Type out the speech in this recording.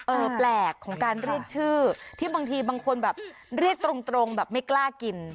แปลกของการเรียกชื่อที่บางทีบางคนแบบเรียกตรงแบบไม่กล้ากิน